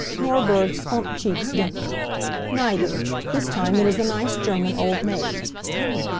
Norberg's plump cheeks dimpled. "Neither. This time it is a nice German old maid."